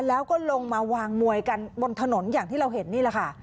แล้วก็ลงมาวางมวยกันบนถนนอย่างที่เราเห็นนี่แหละค่ะ